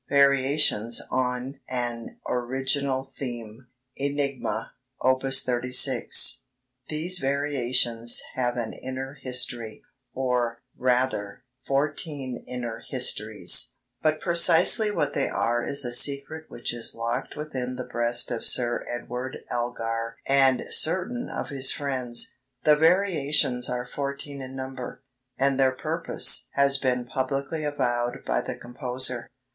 _) VARIATIONS ON AN ORIGINAL THEME ("ENIGMA"): Op. 36 These Variations have an inner history, or, rather, fourteen inner histories; but precisely what they are is a secret which is locked within the breast of Sir Edward Elgar and certain of his friends. The Variations are fourteen in number, and their purpose has been publicly avowed by the composer.